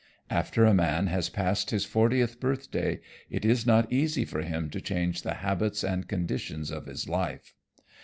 After a man has passed his fortieth birthday it is not easy for him to change the habits and conditions of his life.